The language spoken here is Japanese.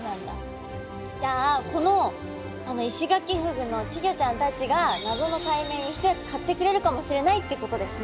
じゃあこのイシガキフグの稚魚ちゃんたちが謎の解明に一役かってくれるかもしれないってことですね。